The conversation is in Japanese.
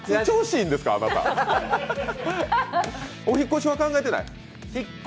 お引っ越しは考えてない？